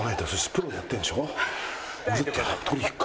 プロでやってるんでしょ？